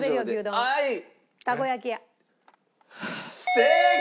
正解！